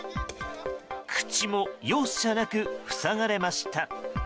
口も、容赦なく塞がれました。